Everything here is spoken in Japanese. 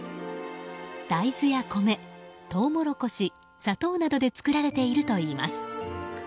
大豆や米、トウモロコシ砂糖などで作られているといいます。